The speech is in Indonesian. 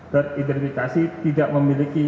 teridentifikasi tidak memiliki